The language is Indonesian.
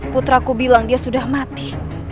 putraku bilang dia sudah mati